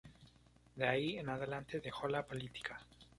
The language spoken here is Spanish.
De ahí en adelante dejó la política.